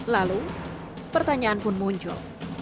lalu pertanyaan pun muncul